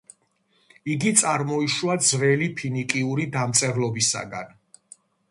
იგი წარმოიშვა ძველი ფინიკიური დამწერლობისაგან.